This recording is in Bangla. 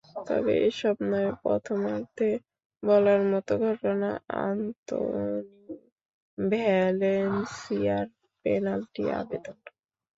তবে এসব নয়, প্রথমার্ধে বলার মতো ঘটনা আন্তোনিও ভ্যালেন্সিয়ার পেনাল্টি আবেদন।